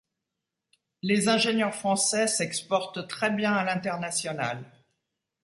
Les ingénieurs français s'exportent très bien à l'international.